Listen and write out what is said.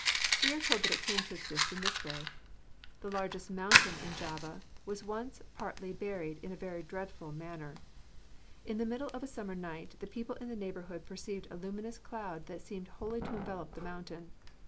We are told that it came to exist in this way: The largest mountain in Java was once partly buried in a very dreadful manner. In the middle of a summer night the people in the neighborhood perceived a luminous cloud that seemed wholly to envelop the mountain.